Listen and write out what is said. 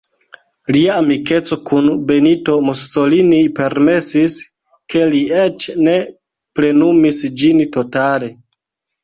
Lia amikeco kun Benito Mussolini permesis, ke li eĉ ne plenumis ĝin totale.